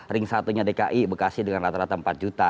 ring satunya dki bekasi dengan rata rata empat juta